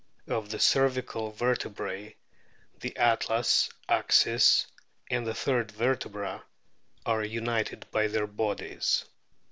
Of the cervical vertebrae the atlas, axis, and the third vertebra are united by their bodies.